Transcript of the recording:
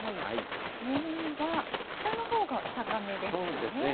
気温は、北のほうが高めですかね。